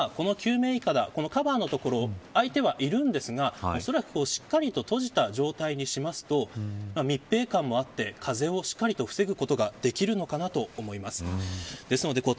今この救命いかだ、カバーのところ、開いてはいるんですがおそらく、しっかりと閉じた状態にしますと密閉感もあって風をしっかりと防ぐことができるのかなと思います。